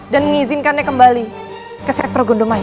dan mengizinkannya kembali ke sektor gondomaid